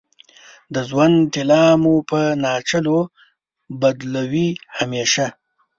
د ژوند طلا مو په ناچلو بدلوې همیشه